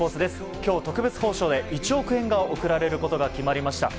今日、特別報奨で１億円が贈られることが決まりました